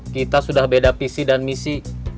kita sudah beda visi dan misi